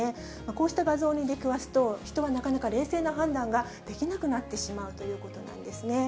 こうした画像に出くわすと、人はなかなか冷静な判断ができなくなってしまうということなんですね。